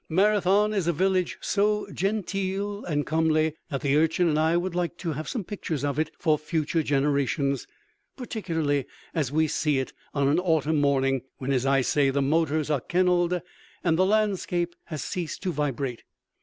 Marathon is a village so genteel and comely that the Urchin and I would like to have some pictures of it for future generations, particularly as we see it on an autumn morning when, as I say, the motors are kenneled and the landscape has ceased to vibrate.